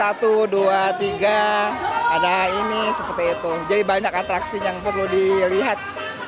ada tiga ada ini seperti itu jadi banyak atraksi yang perlu dilihat